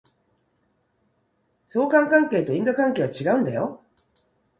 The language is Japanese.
相関関係と因果関係は違うんだよ